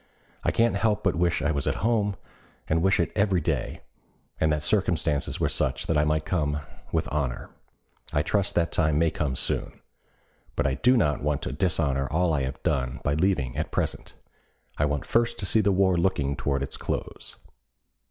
I can't help but wish I was at home, and wish it every day, and that circumstances were such that I might come with honor. I trust that time may come soon. But I do not want to dishonor all I have done by leaving at present. I want first to see the war looking toward its close."